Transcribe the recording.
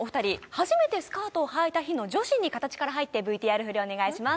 初めてスカートをはいた日の女子に形から入ってＶＴＲフリお願いします